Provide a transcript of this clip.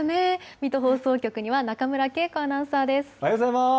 水戸放送局には中村慶子アナウンサーです。